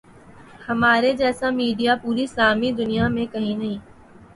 ہمارے جیسا میڈیا پوری اسلامی دنیا میں کہیں نہیں۔